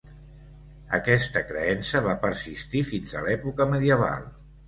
Aquesta creença va persistir fins a l'època medieval.